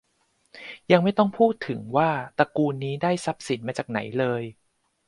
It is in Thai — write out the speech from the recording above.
ยังไม่ต้องพูดถึงว่าตระกูลนี้ได้ทรัพย์สินมาจากไหนเลย